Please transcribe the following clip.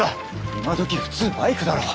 今どき普通バイクだろ！？